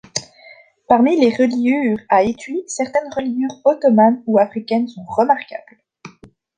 Parmi les reliures à étuis certaines reliures ottomanes ou africaines sont remarquables.